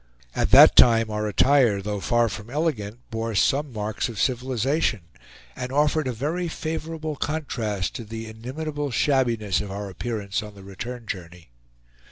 At that time our attire, though far from elegant, bore some marks of civilization, and offered a very favorable contrast to the inimitable shabbiness of our appearance on the return journey.